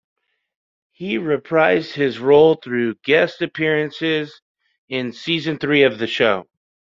He reprised his role through guest appearances in season three of the show.